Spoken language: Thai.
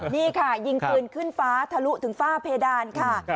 นี่ค่ะยิงปืนขึ้นฟ้าทะลุถึงฝ้าเพดานค่ะ